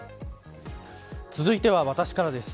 続いては私からです。